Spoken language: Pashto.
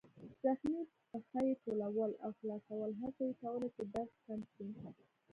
زخمي پښه يې ټولول او خلاصول، هڅه یې کوله چې درد کم کړي.